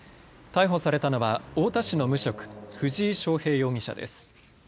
逮捕されたのは太田市の無職、藤井翔平容疑者です。